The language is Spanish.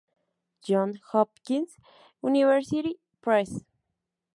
Johns Hopkins University Press